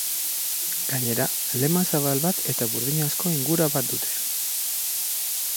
Gainera, lema zabal bat eta burdinazko aingura bat daude.